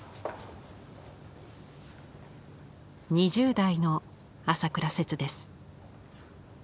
２０代の朝倉摂です。